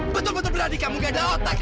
betul betul berarti kamu gak ada otak